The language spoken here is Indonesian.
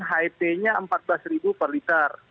hit nya empat belas ribu per liter